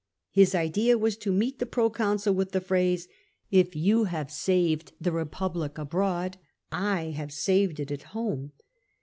His idea was to meet the proconsul with the phrase, ''If you have saved the re public abroad, I have saved it at home.